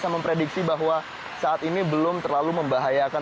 yang memprediksi bahwa saat ini belum terlalu membahayakan